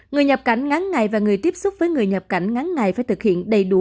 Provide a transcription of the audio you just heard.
người nhập cảnh ngắn ngày và người tiếp xúc với người nhập cảnh ngắn ngày phải thực hiện đầy đủ